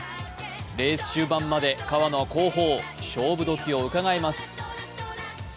レース中盤まで川野は後方、勝負時をうかがいます。